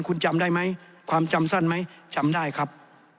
คุณจำได้ไหมความจำสั้นไหมจำได้ครับ